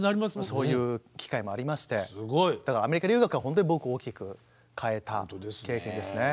そういう機会もありましてアメリカ留学はほんとに僕を大きく変えた経験ですね。